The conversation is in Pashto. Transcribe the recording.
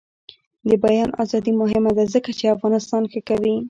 د بیان ازادي مهمه ده ځکه چې افغانستان ښه کوي.